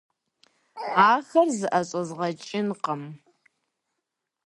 Ахэр зыӀэщӀэзгъэкӀынкъым.